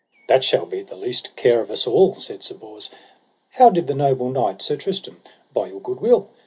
That shall be the least care of us all, said Sir Bors. How did the noble knight Sir Tristram, by your good will?